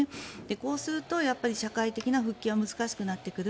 こうすると、社会的な復帰は難しくなってくる。